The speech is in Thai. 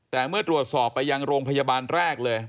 แต่เมื่อตรวจสอบไปยังโรงพยาบาลแรกเลย